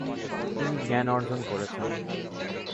তিনি জ্ঞান অর্জন করেছেন।